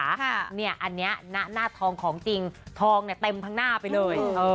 อันนี้หน้าทองของจริงทองเนี่ยเต็มทั้งหน้าไปเลย